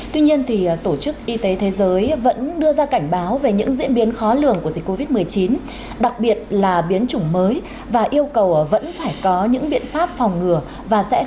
tuy nhiên tổ chức y tế thế giới vẫn đưa ra cảnh báo về những diễn biến khó lường của dịch covid một mươi chín đặc biệt là biến chủng mới và yêu cầu vẫn phải có những biện pháp phòng ngừa và sẽ